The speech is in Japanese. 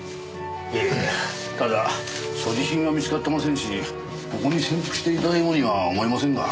ええただ所持品は見つかってませんしここに潜伏していたようには思えませんが。